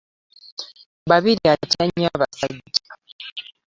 Babirye atya nnyo abasajja.